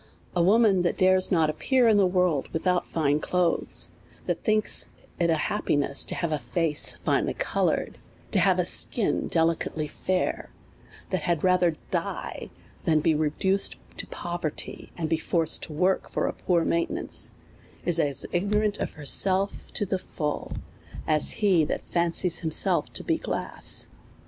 A woman that dares not app.ear in the world without fine clothes, that thinks it a happiness to have a face finely coloured, to have a skin delicately fair, that had rather die than be reduced to poverty, and be forced to work for a poor maintenance, is as ignorant of her self to the full, as he that fancies himself to be glass.